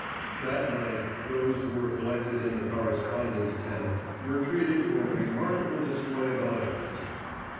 That night, those who were collected in the correspondent's tent, were treated to a remarkable display of eloquence.